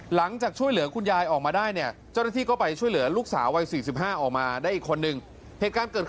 หลังจากช่วยเหลืออุท